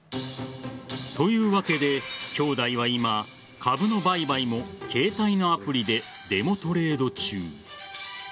というわけで、兄弟は今、株の売買も携帯のアプリでデモトレード中。